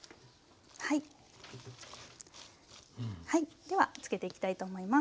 では漬けていきたいと思います。